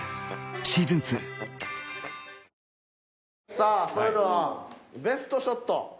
さあそれではベストショット。